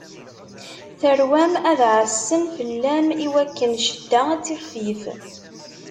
Tarwa-m ad ɛassen fell-am, i wakken cedda ad tixfif.